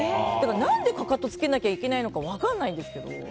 何でかかとをつけなかいけないのか分かんないんですけど。